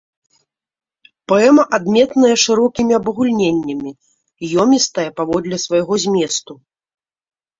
Паэма адметная шырокімі абагульненнямі, ёмістая паводле свайго зместу.